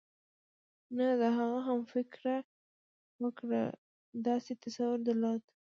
نه د هغه همفکره وګړو داسې تصور درلود.